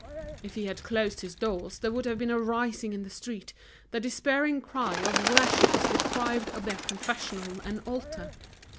If he had closed his doors, there would have been a rising in the street, the despairing cry of worshippers deprived of their confessional and altar.